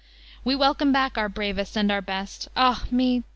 We welcome back our bravest and our best; Ah, me!